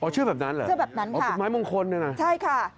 อ๋อเชื่อแบบนั้นเหรอใช่ค่ะ